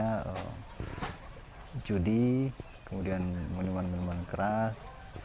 kemudian ada judi kemudian muniman muniman keras